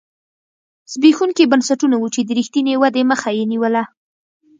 زبېښونکي بنسټونه وو چې د رښتینې ودې مخه یې نیوله.